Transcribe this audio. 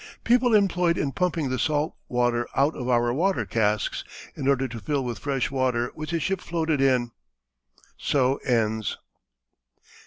People employed in pumping the salt water out of our water casks in order to fill with fresh water which the ship floated in. So ends.